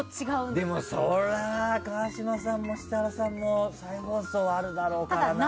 でも、それは川島さんも設楽さんも再放送はあるだろうからな。